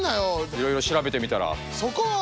いろいろ調べてみたら。